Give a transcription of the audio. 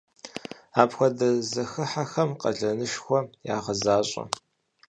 Апхуэдэ зэхыхьэхэм къалэнышхуэ ягъэзащӏэ.